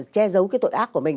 che giấu cái tội ác của mình